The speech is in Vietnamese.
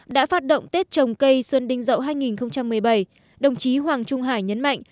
đã phát động tết trồng cây xuân đinh dậu hai nghìn một mươi bảy đồng chí hoàng trung hải nhấn mạnh